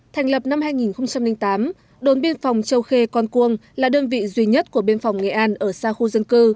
thành lập năm hai nghìn tám đồn biên phòng châu khê con cuông là đơn vị duy nhất của biên phòng nghệ an ở xa khu dân cư